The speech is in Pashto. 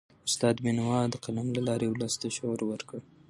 استاد بینوا د قلم له لاري ولس ته شعور ورکړ.